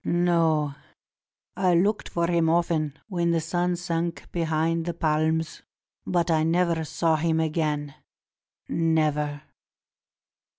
No; I looked for him often when the sun sank behind the palms, but I never saw him again — never."